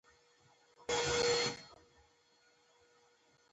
شخصي عوایدو زیاتوالی.